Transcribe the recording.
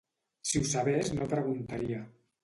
Si ho sabés no preguntaria